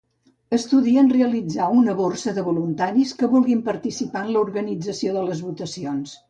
Estudien realitzar una “borsa” de voluntaris que vulguin participar en l'organització de les votacions.